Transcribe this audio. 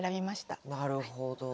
なるほど。